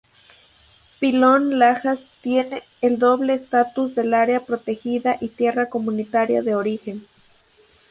Pilón Lajas tiene el doble estatus de Área Protegida y Tierra Comunitaria de Origen.